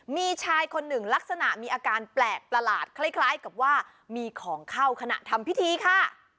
มีชายคนหนึ่งลักษณะมีอาการแปลกประหลาดคล้ายกับว่ามีของเข้าขณะทำพิธีค่ะ